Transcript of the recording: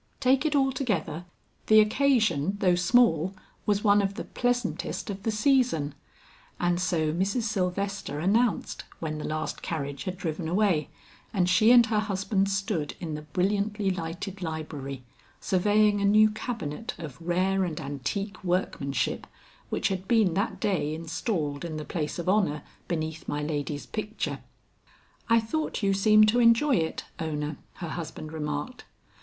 Take it all together, the occasion though small was one of the pleasantest of the season, and so Mrs. Sylvester announced when the last carriage had driven away, and she and her husband stood in the brilliantly lighted library, surveying a new cabinet of rare and antique workmanship which had been that day installed in the place of honor beneath my lady's picture. "I thought you seemed to enjoy it, Ona," her husband remarked.